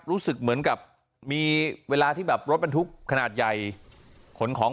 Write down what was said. รู้สึกเหมือนกับมีเวลาที่แบบรถบรรทุกขนาดใหญ่ขนของ